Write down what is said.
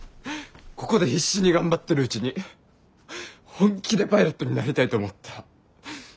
ここで必死に頑張ってるうちに本気でパイロットになりたいと思った。